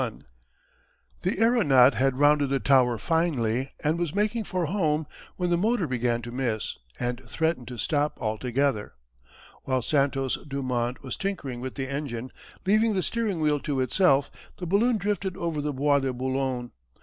The aeronaut had rounded the Tower finely and was making for home when the motor began to miss and threatened to stop altogether. While Santos Dumont was tinkering with the engine, leaving the steering wheel to itself, the balloon drifted over the Bois de Boulogne.